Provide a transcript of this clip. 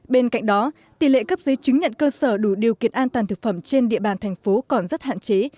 bên cạnh đó tỷ lệ cấp giấy chứng nhận cơ sở đủ điều kiện an toàn thực phẩm trên địa bàn thành phố còn rất hạn chế